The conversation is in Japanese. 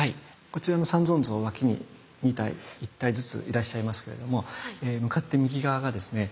こちらの三尊像脇に２体１体ずついらっしゃいますけれども向かって右側がですね